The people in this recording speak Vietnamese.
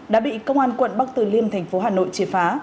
đã bị công an quận bắc từ liêm thành phố hà nội triệt phá